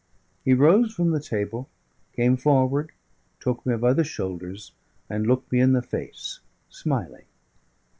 He rose from the table, came forward, took me by the shoulders, and looked me in the face, smiling.